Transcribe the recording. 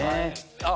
あっ！